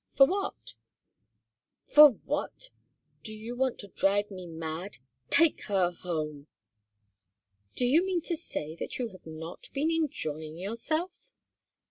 "For what?" "For what! Do you want to drive me mad? Take her home!" "Do you mean to say that you have not been enjoying yourself?"